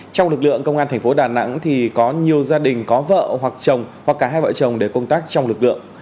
trong lực lượng công an thành phố đà nẵng thì có nhiều gia đình có vợ hoặc chồng hoặc cả hai vợ chồng để công tác trong lực lượng